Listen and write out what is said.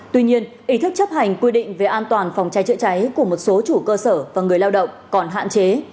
tuy nhiên ý thức chấp hành quy định về an toàn phòng cháy chữa cháy của một số chủ cơ sở và người lao động còn hạn chế